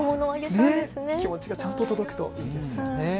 気持ちがちゃんと届くといいですね。